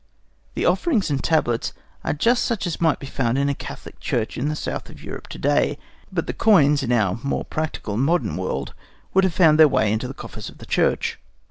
The offerings and tablets are just such as might be found in a Catholic church in the South of Europe to day; but the coins, in our more practical modern world, would have found their way into the coffers of the church.